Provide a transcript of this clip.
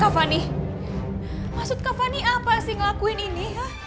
fani maksud kak fani apa sih ngelakuin ini